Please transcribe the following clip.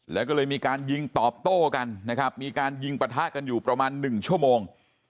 แล้วก็เลยมีการยิงตอบโต้กันนะครับมีการยิงปะทะกันอยู่ประมาณ๑ชั่วโมง